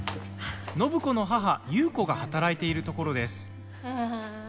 暢子の母、優子が働いているところです。